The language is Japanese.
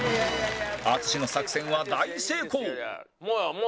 淳の作戦は大成功！